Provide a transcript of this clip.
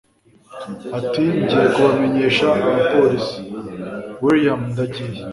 ati ngiye kubamenyesha abapolisi, william. ndagiye